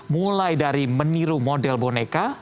mulai dari meniru model boneka